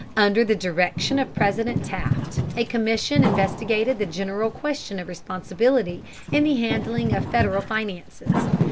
Under the direction of President Taft a commission investigated the general question of responsibility in the handling of Federal finances.